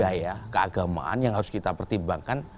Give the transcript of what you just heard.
budaya keagamaan yang harus kita pertimbangkan